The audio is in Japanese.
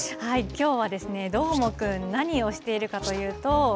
きょうは、どーもくん、何をしているかというと。